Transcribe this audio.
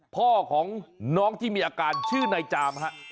พ่อของน้องที่มีอาการชื่อนายจามฮะ